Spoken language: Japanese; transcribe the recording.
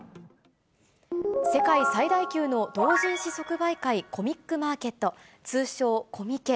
世界最大級の同人誌即売会、コミックマーケット、通称、コミケ。